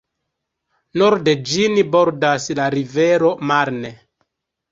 Norde ĝin bordas la rivero Marne.